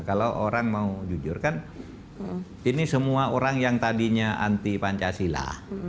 kalau orang mau jujur kan ini semua orang yang tadinya anti pancasila